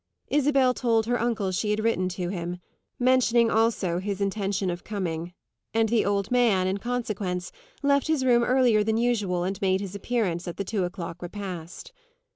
Isabel told her uncle she had written to him, mentioning also his intention of coming; and the old man, in consequence, left his room earlier than usual and made his appearance at the two o'clock repast.